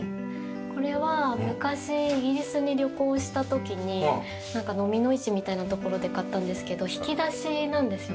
これは昔イギリスに旅行した時に蚤の市みたいな所で買ったんですけど引き出しなんですよね。